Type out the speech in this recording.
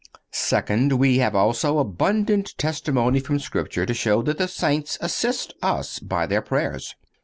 Second—We have, also, abundant testimony from Scripture to show that the saints assist us by their prayers.